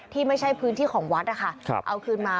ที่ไม่ใช่พื้นที่ของวัดนะคะเอาคืนมา